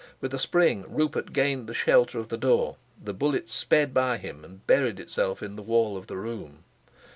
With a spring Rupert gained the shelter of the door, the bullet sped by him, and buried itself in the wall of the room.